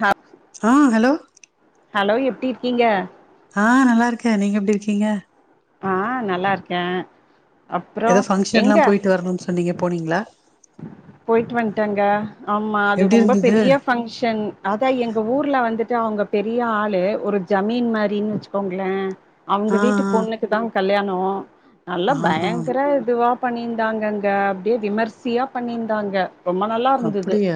Hubs ஆ hello hello எப்டி இருக்கீங்க ஹா நல்லார்க்கே நீங்க எப்டி இருக்கீங்க ஆ நல்லார்க்கே ஏதோ ஃபங்க்ஷன்லா போய்ட்டு வரணுன் சொன்னீங்க போனீங்ளா போய்ட்டு வன்ட்டேங்க ஆமா அது எப்டி ரொம்ப இருந்தது பெரிய ஃபங்க்ஷன் அதா எங்க ஊர்ல வந்துட்டு அவ்ங்க பெரிய ஆளு ஒரு ஜமீன் மாரின்னு வச்சுக்கோங்ளே அவுங்க ஆ வீட்டு ஆ பொண்ணுக்கு தா கல்யாணோ நல்லா ஆஹா பயங்கர இதுவா பண்ணிந்தாங்கங்க அப்டியே விமர்சியா பண்ணிந்தாங்க அப்டியா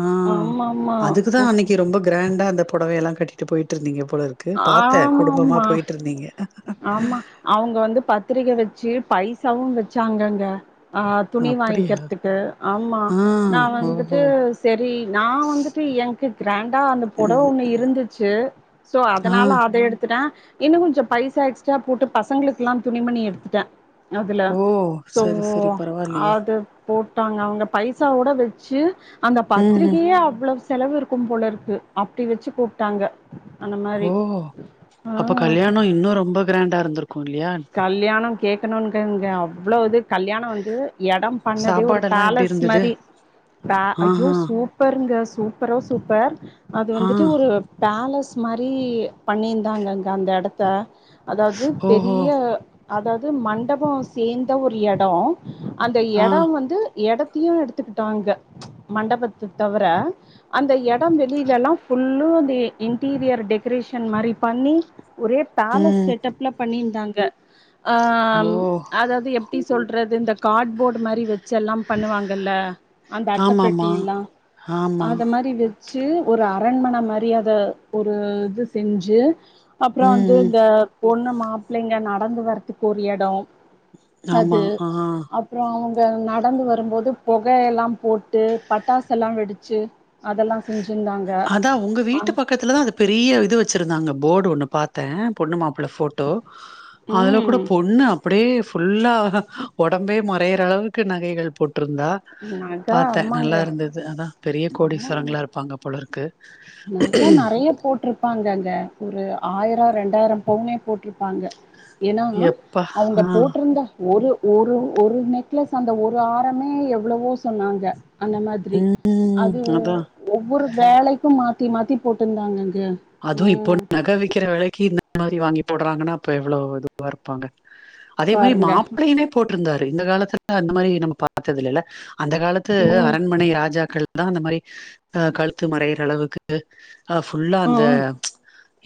ஆ ஆமா ஆமா அதுக்குதா சூப் அன்னைக் ரொம்ப க்ராண்டா அந்த புடவை எல்லா கட்டிட்டு போயிட்ருந்தீங்க போலர் க்கு பாத்தே ஆமா குடும்பமா போய்ட்ருந்தீங்க அவ்ங்க வந்து பத்திரிக்க வச்சு பைசாவு வச்சாங்கங்க ஆ துணி அப்டியா வாய்ன்க்கற்த்துக்கு ஆமா ஆ நா வந்துட்டு ஓஹோ சரி நா வந்துட்டு என்க்கு க்ராண்டா அந்த புடவ ஒன்னு இருந்துச்சு சோ ஆ அதனால ஆர் ந்து எடுத்துட்ட இன்னு கொஞ்சு பைசா எக்ஸ்ட்ரா போட்டு பசங்க்ளுக்லா துணிமணி எடுத்துட்டே அதுல ஓ சோ சரி சரி பரவாயில்லையே ஆதுவ் போட்டாங்க அவ்ங்க பைசாவோட வெச்சு அந்த ம் ம் பத்ரிக்கையே அவ்ளவ்ஸ் தெலவு இருக்கும் போல இருக்கு அப்டி வச்சு கூப்ட்டாங்க அந்த ஓ மாரி ஹோ அப்ப ஆ கல்யாணோ இன்னு ரொம்ப க்ராண்டா இருந்திருக்கு இல்லையா கல்யானோ கேக்கனுன்கங்க அவ்ளோ இது கல்யாணோ வந்து யடம் பண்ணதே ஒரு சாப்பாடெல்லா எப்டி இருந்தது பேலஸ்மரி பா ஐயோ ஆஹா சூப் ப்பர்ங்க சூப்பரோ சூப்பர் அது ஆ வந்துட்டு ஒரு பேலஸ் மாரி பண்ணிந்தாங்கங்க அந்த இடத்த அதாவ்து பெர் ஓஹோ அ அதாவ்து மண்டபோ சேந்த ஒரு யடோ அந்த ஆ யடம் வந்து யடத்தையு எடுத்துக்குட்டாங்க மண்டபத்த தவர அந்த எடம் வெளிலல்லா புல்லு தி இன்டீரியர் டெக்கரேஷன் மாரி பண்ணி ஒரே பேலஸ் ம் செட்டப்ல பண்ணியிருந்தாங்க ஆ ஓ ம் அதாவது டி சொல்றது இந்த காட் போட் மாரி வெ ச்சல்லாம் பண்ணுவாங்கல்ல அந்த அட்ட ஆமாமா பெட்டில்லா ஆமா ஆத மாரி வெத் ச்சு ஒரு அரண்மன மரியாத ஒரு இது செஞ்சு அப்புறம் ம் வந்து ம் இந்த பொண்ணு மாப்பிள்ளைங்க நடந்து வர்றதுக்கு ஒரு எடோ ஆமா அது ஆ அப் அப்புறோ அவங்க நடந்து வரும்போது புகையெல்லா போட்டு பட்டாசெல்லா வெடிச்சு அதெல்லா செஞ்சுருந்தாங்க அ த்லதா அது பெரிய இது வச்சிருந்தாங்க போர்டு ஒன்னு பாத்தே பொண்ணு மாப்புள்ள போட் டோ அதுல கூட ம் பொண்ணு அப்டியே ஃபுல்லா உடம்பே மறையிற அளவுக்கு நகைகள் போட்டுருந்தா நக பாத்தே ஆமாங்க நல்லாருந்தது அதா பெரிய கோடிஸ்வரங்களா இருப்பாங்க போலருக்கு எனக்கே நறைய போட்டுருப்பாங்கங்க இந்த ஒரு ஆயிரோ ரெண்டாயிரோ பவுனே போட்ருப்பாங்க ஏன்னாவுன்னா எப்பா அவுங்க ஆ போட்டுருந்த ஒரு ஒரு ஒரு நெக்லஸ் அந்த ஒரு ஆரமே எவ்ளவோ சொன்னாங்க அந்த மாதிரி ம் அது அதா ஒவ்வொரு வேலைக்கு மாத்தி மாத்தி போட்டுருந்தாங்கங்க அதுவு இப்போ நக விக்கிற வெலைக்கி இந்த மாரி வாங்கி போடறாங்கன்னா அப்ப எவ்ளோ இதுவா இருப்பாங்க அதே மாரி பாருங்க. மாப்பிள்ளையுமே போட்டுருந்தாரு இந்த காலத்துல அந்த மாதிரி நம்ம பாத்ததில்லேல அந்த காலத்து ம். அரண்மனை ராஜாக்கள் தா அந்த மாரி அ கழுத்து மறையிர அளவுக்கு அஆ ஃபுல்லா அந்த ம்.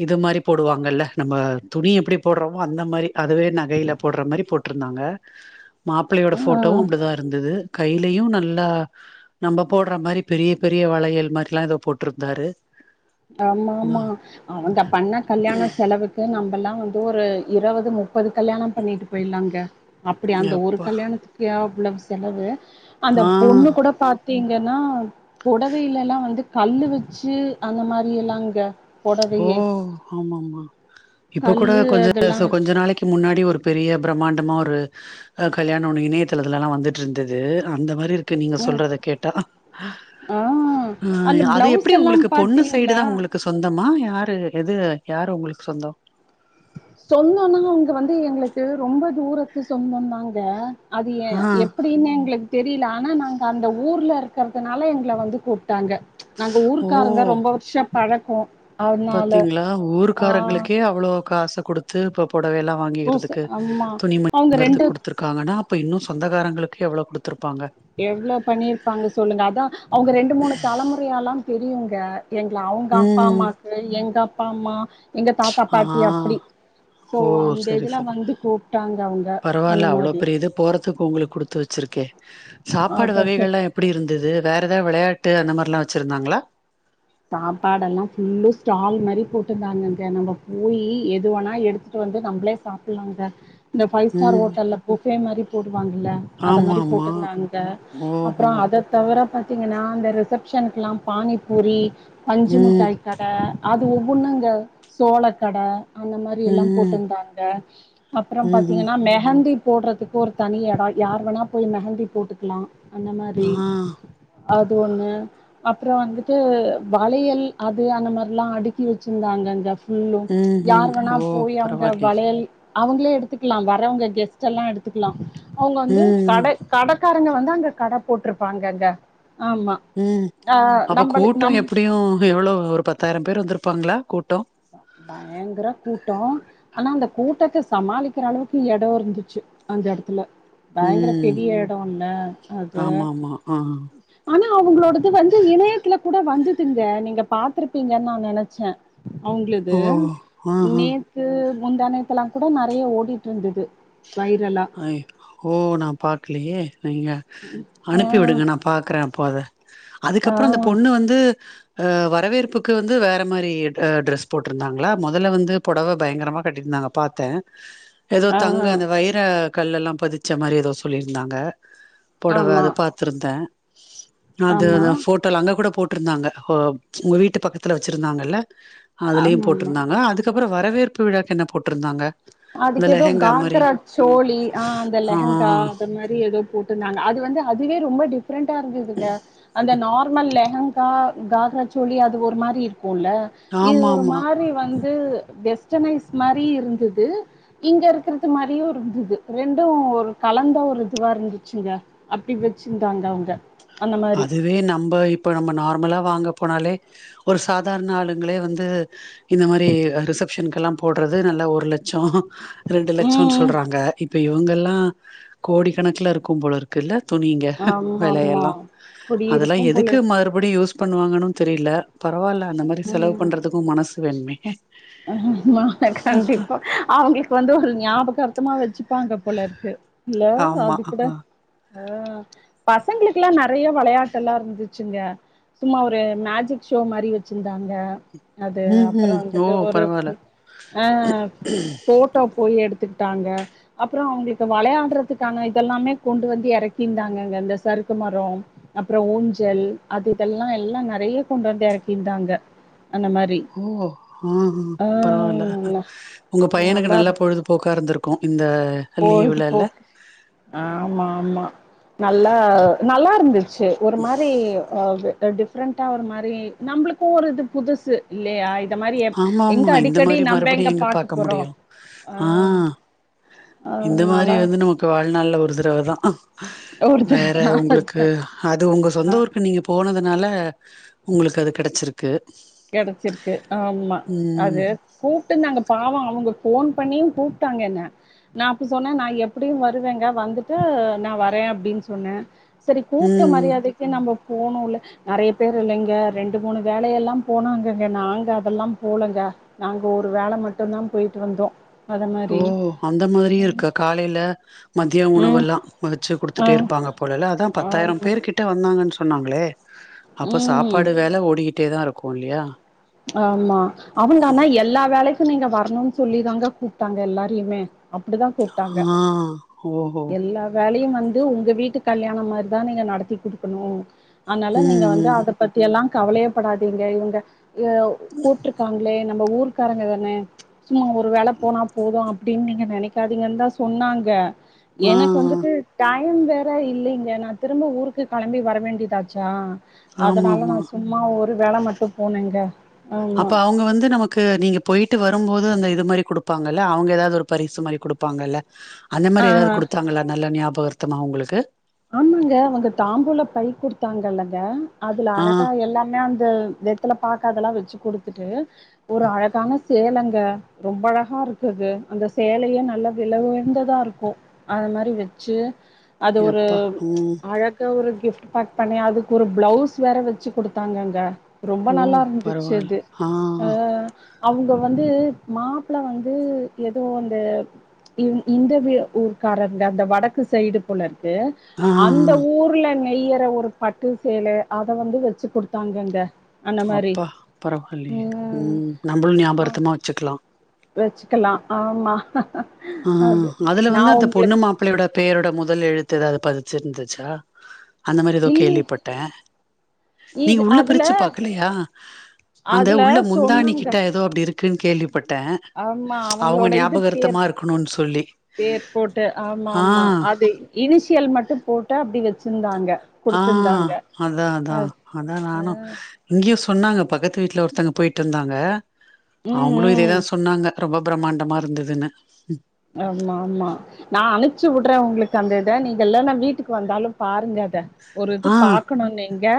இது மாரி போடுவாங்கள்ல்ல நம்ம துணி எப்பிடி போடுறோமோ அந்த மாரி அதுவே நகையில போடுற மாரி போட்டுருந்தாங்க மாப்பிள்ளையோட ஆ. போட்டோவு அப்டிதா இருந்தது கையிலயு நல்லா நம்ம போடற மாரி பெரிய பெரிய வளையல் மாரிலா ஏதோ போட்டுருந்தாரு ஆமாமா அவுங்க பண்ண கல்யாணோ செலவுக் கு நம்பள்லா வந்து ஒரு இருபது முப்பது கல்யாணோ பண்ணிட்டு போயிலாங்க அப்படி அந்த ஒரு எப்பா கல்யாணத்துக்கே அவ்ளோவு செலவு அந்த ஆ பொண்ணு கூட பார் தீங்கன்னா புடவையிலெல்லா வந்து கல்லு வச்சு அந்த மாரில்லாங்க ஓ ஆமாமா இப்ப கூட கல்லு அதெல்லா கொஞ்ச கொஞ்ச வச்சு நாளைக்கி முன்னாடி ஒரு பெரிய பிரம்மாண்டமா ஒரு அ கல்யாணோ ஒன்னு இணையத்துள இதுலல்லா வந்துட்டுருந்தது அந்த மாரி இருக் கு நீங்க ம் சொல்றத கேட்டா ஆ ஆ அதுல அது பிளவுஸ் எப்பிடி எல்லா உங்களுக்கு பொண்ணு சைடு தா பாத்தீங்களா உங்களுக் கு சொந்தமா யாரு எது யாரு உங்களுக்கு சொந்தோ சொந்தம்னா அவங்க வந்து எங்களுக்கு ரொம்ப தூரத்து சொந்தம்தாங்க அது எ ஆ எப்டின்னு எங்களுக்கு தெரியல ஆனா நாங்க அந்த ஊர்ல இருக்கறதுனால எங்கள வந்து கூப்ட்டாங்க நாங்க ஓ ஊருக்கரங்க ரொம்ப வருஷோ பழக்கோ அதனால பாத்தீங்களா ஆ ஊருக்காரங்களுக்கே அவ்ளோ காசக்குடுத்து இப்போ பொடவையெல்லா பூசு வாங்கிக்கறதுக்கு ஆமா துணி மணி அவங்க ரெண்டு வாங்கறதுக் குடுத்துரு காங்கன்னா அப்ப இன்னு சொந்தகாரங்களுக்கு எவ்ளோ குடுத்துருப்பாங்க எவ்ளோ பண்ணிருப்பாங்க சொல்லுங்க அதா அவங்க ரெண்டு மூணு தலமுறையாலா தெரியுங்க எங்கள அவுங்க அப்பா ம் அம்மாக்கு எங்க அப்பா அம்மா எங்க தாத்தா ஆ பாட்டி அப்பிடி சோ ஓ அந்த சரி இதுல்லா சரி வந்து கூப்ட்டாங்க அவங்க அந்த மாரி த்துக் உங்களுக்கு குடுத்து வச்சிருக்கே சாப்பாடு அதா சொ வகைகள்லா எப் பிடி இருந்தது வேறு ஏதாவது வெளையாட்டு அந்த மாரிலா வச்சுருந்தாங்களா சாப்பாடெல்லா ஃபுல்லு ஸ்டால் மாரி போட்டுருந்தாங்கங்க நம்ம போய் எதுவேனா எடுத்துட்டு வந்து நம்பளே சாப்ல்லாங்க இந்த பைவ் ஸ்டார் ம் ஹோட்டல்ல புஃபே மாரி போடுவாங்கல்ல அத மாரி ஆமாமா போட்ருந்தாங்க ஓஹோ அப்பறோ அது தவர பாத்தீங்கன்னா அந்த ரிசப்ஷனுக்கல்லா பானிபூரி பஞ்சு ம் முட்டாய் கட அது ஒவ்வொன்னுங்க சோளக்கட அந்த மாரி எல்லாம் போட் ம் டுந்தாங்க அப்றம் ம்ஹும் பாத்தீங்கனா மெஹந்திப் போட்றதுக்கு ஒருத் தனி எடோ யார் வேணாப் போய் மெஹந்தி போட்டுக்லா அந்த மாத்ரி ஆ அது ஒன்னு அப்ற வந்துட்டு வளையல் அது அந்த மார்லா அடுக்கி வச்சிந்தாங்க அங்கச் ஃபுல்லு ம்ஹும் யாரு ஓ வேணாப் போயி அங்க பரவால்லியே வளையல் அவுங்ளே எடுத்துக்லா வரவுங்க கெஸ்ட் எல்லா எடுத்துக்லா அவுங்க வந்து ம் கட கடக்காரங்க வந்து அங்கக் கடப் போட்ருப்பாங்கங்க ஆமா ம் ஆஹ் அப்போ நம்மளு கூட்டோ நம் எப்டியு எவ்ளோ ஒரு பத்தாயிரம் பேர் வந்துருப்பாங்ளா கூட்டோ பயங்ர கூட்டோ ஆனா அந்த கூட்டத்த சமாளிக்ற அளவுக்கு எடோ இருந்துச்சு அந்த எடத்துல பயங்கர ம் பெரிய எடோ இல்ல அது ஆமாமா ஆ ஆனா அவுங்ளோடது வந்து இணையத்ல கூட வந்துதுங்க நீங்கப் பாத்துருப்பீங்கன் நா நெனச்சே அவுங்ளுது ஓ ஆ ஆ நேத் க்கு முந்தா நேத்தெல்லாங் கூட நெறய ஓடிட்ருந்தது வைரலா அய் ஓ நாப் பாக்லியே நீங்க ஆ அனுப்பி விடுங்க நாப் பாக்றே அப்போ அத ஆ அதுக்கப்ற அந்த பொண்ணு வந்து அ வரவேற்புக்கு வந்து வேற மாரி அ ட்ரெஸ் போட்ருந்தாங்ளா மொதல வந்து பொடவ பயங்கரமாக கட்டிந்தாங்க பாத்தே எதோ தங்க ஆ அந்த வைர கல்லெல்லாம் பதிச்ச மாரி எதோ சொல்லிருந்தாங்க பொடவ ஆமா அத பாத் த்ருந்தே அது ஆமா அந்த போட் டோல அங்க கூட போட்ருந்தாங்க உங்க வீட்டு பக்கத்துல வச்சிருந்தாங்கல்ல ஆமா அதுலியும் ஆமா போட்ருந்தாங்க அதுக்கப்பற வரவேற்பு விழாக்கு என்ன போட்ருந்தாங்க அதுக்கு எதோ காந்தராஜ் சோழி ஆ அந்த ஆ லெகங்கா அந்த மாரி எதோப் போட்டுந்தாங்க அது வந்து அதுவே ரொம்ப டிப் பிரெண்டா இருந்ததுங்க அந்த நார்மல் லெகங் கா கால்ரச்சோழி அது ஒரு மாரி இருக்குல இது ஆமா ஒரு ஆமா மாரி வந்து வெஸ்டனைஸ் மாரி இருந்துது இங்க இருக்கிறது மாரியு இருந்துது ரெண்டு ஒரு கலந்த ஒரு இதுவா இருந்துச்சுங்க அப்டி வெச்சிந்தாங்க அவுங்க அதுவே நம்ப இப்ப நம்ம நார்மலா வாங்க போனாலே ஒரு சாதார்ண ஆளுங்ளே வந்து இந்த மாரி ரிசப்ஷனுக்கெல்லாம் போட்றது நல்லா ஒரு லட்சோ ரெண்டு லெட்சன் ம் சொல்றாங்க இப்ப இவுங்கெல்லா கோடி கணக்ல இருக்கும் போலருக் கில்ல துணிங்க ஆமா ஆமா வெலையெல்லா அதெலா குடியிருக்கும் போல எதுக்கு மறுபடியு யூஸ் பண்ணுவாங்கனு தெரில பரவால்ல அந்த மாரி செலவு பண்றதுக்கு மனசு வேணுமே மான கண்டிப்பா அவுங்ளுக்கு வந்து ஒரு ஞாபகார்த்தமா வச்சுப்பாங்க போலருக்கு இல்ல ஆமா அது கூட அ பசங்ளுக்லா நெறயா வெளையாட்டுலா இருந்துச்சுங்க சும்மா ஒரு மேஜிக் ஷோ மாரி வெச்சிந்தாங்க அது ம் அப்பற ம் வந்து ஓ ட்டு ஒரு பரவால்ல அ போட்டோ போயி எடுத்துக்ட்டாங்க அப்றோ அவுங்ளுக்கு வளையாட்றதுக்கான இதெல்லாமே கொண்டு வந்து எறக்கிந்தாங்கங்க இந்த சறுக்கு மரோம் அப்றோ ஊஞ்சல் அது இதெல்லா எல்லா நெறய கொண்டு வந்து எறக்கிந்தாங்க அந்த மாரி ஓ ஆ ஆ பரவால்ல ந உங்க பையனுக்கு நல்லா பொழுதுபோக்கா இருந்துருக் கு இந்த போகுது லீவ்ல எல்லா போ ஆமா ஆமா நல்லா நல்லா இருந்துச் சு ஒரு மாரி அ டி ப்ரென்டா ஒரு மாரி நம்ளுக்கு ஒரு இது புதுசு இல்லய ஆமா ஆமா இந்த மாரி மறுபடியு எங்க பாக்க முடியு ஆ இந்த அதனால மாரி வந்து நமக்கு வாழ்நாள்ல ஒரு தடவைதா ஒரு தட வேற உங்களுக்கு அது உங்க ஆ சொந்த ஊருக்கு நீங்க போனதுனால உங்களுக்கு அது கெடச்சிருக்கு கெடச்சிருக்கு ஆமா ம் அது கூப்பிட்டு நாங்க பாவ அவங்க ஃபோன் பண்ணியு கூப்ட்டாங்க என்ன நா அப்ப சொன்னே நா எப்படியு வருவேங்க வந்துட்டு நா வரே அப்டின்னு சொன்னே சரி கூப்ட்ட ம் மரியாதைக்கு நம்ப போனுல்ல நெறைய பேர் இல்லைங்க ரெண்டு மூணு வேலையெல்லா போனாங்கங்க நாங்க அதெல்லா போலங்க நாங்க ஒரு வேல மட்டு்தா போயிட்டு வந்தோ அத ஓ மாரி அந்த மாதிரியு இருக்கா காலையில மதிய உணவு ம் எல்லா வச்சு ஆ குடுத்துட்டே இருப்பாங்க போலல்ல அதா பத்தாயிரம் ஆமா பேர் கிட்ட வந்தாங்கன்னு சொன்னாங்களே அப்ப சாப் ம் படு வேல ஓடிக்கிட்டே தா இருக்கு இல்லையா ஆமா அவங்க ஆனா எல்லா வேலைக்கு நீங்க வரணுனு சொல்லி தாங்க கூப்ட்டாங்க எல்லாரையுமே அப்டிதா கூப்பிட்டாங்க ஆ ஓஹோ எல்லா வேலையு வந்து உங்க வீட்டு கல்யாண மாறிதா நீங்க நடத்தி குடுக்கணு அதனால நீங்க ம் வந்து ம் அத பத்தி எல்லா கவலையேப்படாதீங்க இவங்க எ கூப்டிருக்காங்களே நம்ம ஊரு காரங்க தானே சும்மா ஒரு வேல போனா போது அப்டின்னு நீங்க நெனைக்காதீங்கன்ந்தா சொன்னாங்க ஆ எனக்கு வந்துட்டு டா யம் வேற இல்லீங்க நா திரும்ப ஊருக்கு கெளம்பி வர வேண்டியதாச்சா ஆமா அதனால நா ஆமா சும்மா ஒரு வேல மட்டு போனேங்க ஆமா அப்ப அவங்க வந்து நமக்கு நீங்க போயிட்டு வரும்போது அந்த இது மாரி குடுப்பாங்கல்ல அவங்க ஏதாவது ஒரு பரிசு மாரி குடுப்பாங்கல்ல அந்த ஆ மாரி ஏதாவது ஆ குடுத்தாங்களா நல்லா ஞாபகார்த்தமா உங்களுக்கு ஆமாங்க அவங்க தாம்பூல பை குடுத்தாங்கல்லங்க அதுல ஆ அழகா எல்லாமே அந் த வெத்துல பாக்கு அதெல்லா வச்சு குடுத்துட்டு ஒரு அழகான சேலங்க ரொம்ப அழகா இருக்கு அது அந்த சேலயே நல்லா வில உயர்ந்ததா இருக்கு அது மாரி வச்சு அது ஒரு எப்பா! ம். அழ க ஒரு கிஃப்ட் பேக் பண்ணி அதுக்கு ஒரு பிளவுஸ் வேற வச்சு குடுத்தாங்கங்க ரொம்ப ஓ! நல்லா இருந்துச்சு பரவால்ல. அது ஆ. அ அவங்க வந்து மாப்ள வந்து ஏதோ அந்த இந்‌ இந்த வி ஊர்காரங்க அந்த வடக்கு சைடு போல க்கு ஆ. அந்த ஊர்ல நெய்யற ஒரு பட்டு சேல அத வந்து வச்சு குடுத்தாங்கங்க அந்த மாரி அப்பா பரவாயில்லையே ம் நம்ளு ஆ ஞாபார்த்தமா வச்சுக்கலா வச்சுக்கலா ஆமா ஆ அது அதுல நா வந்து அந்த பொண்ணு உங்களுக்கு மாப் ப்பளையோட பேரோட முதல் எழுத்து ஏதாவது பதிச்சிருந்துச்சா அந்த மாதிரி ஏதோ இல் கேள்விப்பட்டே நீங்க இது உள்ள அதுல பிரிச்சு பாக்கலையா அந்த அதுல உள்ள சொன்னாங்க முந்தாணிக்கிட்ட தோ அப்டி இருக்குனு கேள்விப்பட்டே ஆமா அவங்களோட இது பேர் இருக்கணும்னு சொல்லி. பேர் போட்டு ஆமா ஆ ஆமா அது இனிஷியல் மட்டு போட்டு அப்டி வச்சிருந்தாங்க ஆ குடுத்திருந்தாங்க அதா அதா அதா நானு இங்கயு சொன்னாங்க பக்கத்து வீட்டுல ஒருத்தங்க போயிட்டு வந்தாங்க ம் அவங்களு ம் இதேதா சொன்னாங்க ரொம்ப பிரம்மாண்டமா இருந்துதுனு ஆமா மா நான் அனுப்ச்சி விடுற உங்களுக்கு அந்த இத நீங்க இல்லன்னா வீட்டுக்கு வந்தாலு பாருங்க அத ஒரு இது ஆ பாக்கணு இங்க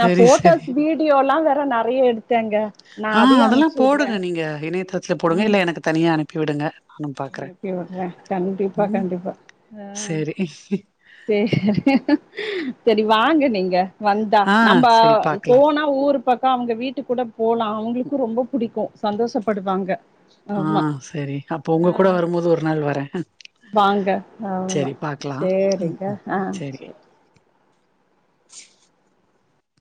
நா சரி போட்டோஸ் வீடியோல்லா வேற நெறைய எடுத்தேங்க நா ஆ அதையு அதெல்லா அனுப்ச்சு விடுறே போடுங்க நீங்க இணையத்தளத்துல போடுங்க இல்ல எனக்கு தனியா அனுப்பி விடுங்க நானு பாக்குறே அனுப்பி விடுற கண்டிப்பா ம் கண்டிப்பா அ சரி சரி வாங்க நீங்க வந்தா ஆ நம்ம சரி பாக்கலா போனா ஊருக் பக்கா அவங்க வீட்டுக்கூட போலா அவங்களுக்கு ரொம்ப புடிக்கு சந்தோஷப்படுவாங்க ஆ ஆமா செரி அப்ப உங்க ஆ கூட வரும்போது ஒரு நாள் வர வாங்க ஆமா செரிங்க ஆ சரி செரி